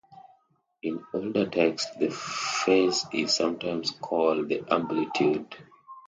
In older texts the phase is sometimes called the amplitude.